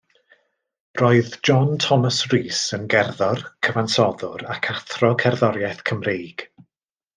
Roedd John Thomas Rees yn gerddor, cyfansoddwr ac athro cerddoriaeth Cymreig.